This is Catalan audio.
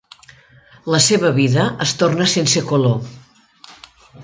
La seva vida es torna sense color.